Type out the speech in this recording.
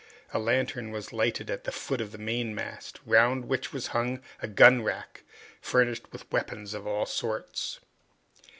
A lantern was lighted at the foot of the mainmast, round which was hung a gun rack, furnished with weapons of all sorts.